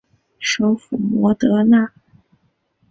首府摩德纳。